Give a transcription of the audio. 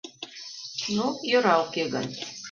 — Ну, йӧра уке гын...